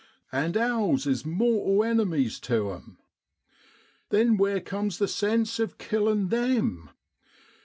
And owls is mortal enemies tu 'em. Then where comes the sense of killin' them